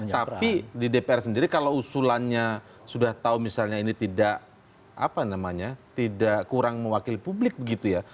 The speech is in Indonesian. tapi di dpr sendiri kalau usulannya sudah tahu misalnya ini tidak apa namanya tidak kurang mewakili publik begitu ya